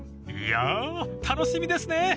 ［いやー楽しみですね］